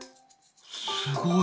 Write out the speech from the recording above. すごい。